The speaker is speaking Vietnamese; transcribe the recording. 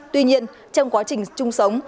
tuy nhiên trong quá trình trung sống